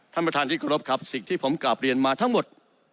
ท่านประธานที่เคารพครับสิ่งที่ผมกลับเรียนมาทั้งหมด